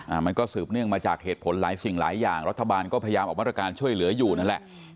มันก็สืบเนื่องมาจากเหตุผลหลายสิ่งหลายอย่างรัฐบาลก็พยายามออกมาตรการช่วยเหลืออยู่นั่นแหละ